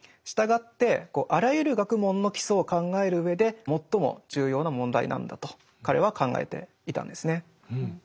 従ってあらゆる学問の基礎を考える上で最も重要な問題なんだと彼は考えていたんですね。